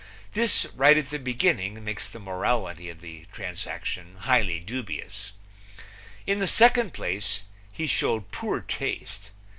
This, right at the beginning, makes the morality of the transaction highly dubious. In the second place, he showed poor taste.